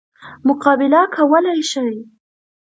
مقابله کولای شي.